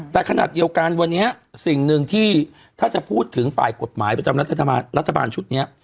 แต่ขนาดเดียวกันวันนี้สิ่งหนึ่งที่ถ้าจะพูดถึงฝ่ายกฎหมายประจำรัฐบาลชุดนี้